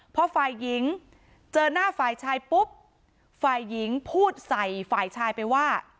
พอฝ่ายหญิงเจอหน้าฝ่ายชายปุ๊บฝ่ายหญิงพูดใส่ฝ่ายชายไปว่า